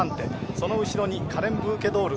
その後ろにカレンブーケドール。